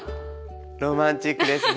ロマンチックですね。